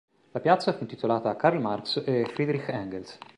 La piazza fu intitolata a Karl Marx e Friedrich Engels.